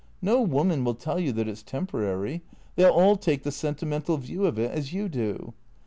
No woman will tell you that it 's temporary. They '11 all take the sentimental view of it, as you do.